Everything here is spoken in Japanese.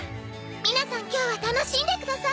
皆さん今日は楽しんでください。